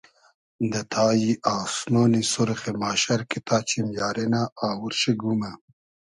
دۂ تای آسمۉنی سورخی ماشئر کی تا چیم یاری نۂ آوور شی گومۂ